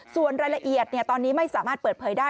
ส่วนรายละเอียดตอนนี้ไม่สามารถเปิดเผยได้